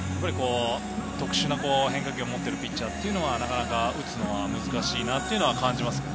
特殊な変化球を持っているピッチャーは、なかなか打つのが難しいと感じます。